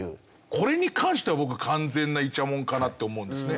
これに関しては僕完全なイチャモンかなって思うんですね。